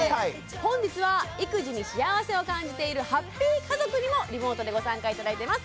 本日は育児に幸せを感じているハッピー家族にもリモートでご参加頂いてます。